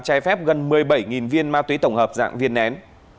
trái phép gần một mươi bảy viên ma túy tổng hợp dạng viên nén